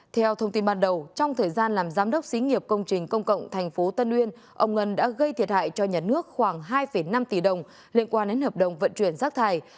theo thông tin ban đầu trong thời gian làm giám đốc xí nghiệp công trình công cộng tp tân uyên ông ngân đã gây thiệt hại cho nhà nước khoảng hai năm tỷ đồng liên quan đến hợp đồng vận chuyển rác thải